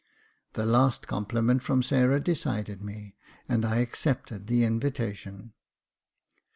The last compliment from Sarah decided me, and I accepted the invitation.